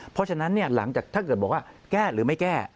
เพราะฉะนั้นหลังจากถ้าเกิดบอกว่าแก้หรือไม่แก้